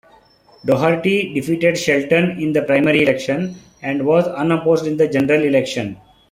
Dougherty defeated Shelton in the primary election, and was unopposed in the general election.